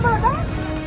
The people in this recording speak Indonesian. apa ini yang berada